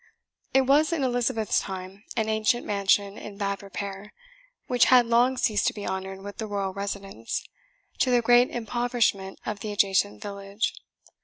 It was, in Elizabeth's time, an ancient mansion in bad repair, which had long ceased to be honoured with the royal residence, to the great impoverishment of the adjacent village.